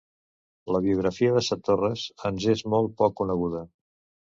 La biografia de Satorres ens és molt poc coneguda.